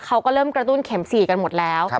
เขาก็เริ่มกระตุ้นเข็ม๔กันหมดแล้ว